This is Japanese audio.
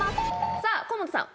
さあ、河本さん。